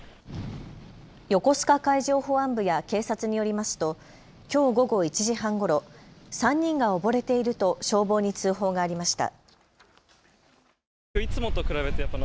横須賀海上保安部や警察によりますときょう午後１時半ごろ、３人が溺れていると消防に通報がありました。